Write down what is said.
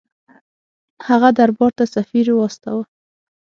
هغه دربار ته سفیر واستاوه.